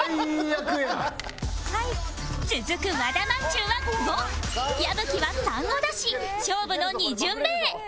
続く和田まんじゅうは５矢吹は３を出し勝負の２巡目へ